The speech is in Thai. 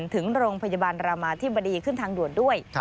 ถึงโรงพยาบาลรามาธิบดีขึ้นทางด่วนด้วย